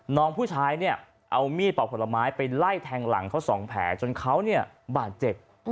น้องผู้ชายเนี่ยเอามีดปอกผลไม้ไปไล่แทงหลังเขาสองแผลจนเขาเนี่ยบาดเจ็บ